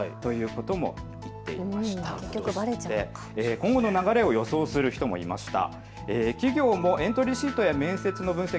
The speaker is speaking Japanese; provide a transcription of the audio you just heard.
今後の流れを予想する人もいました。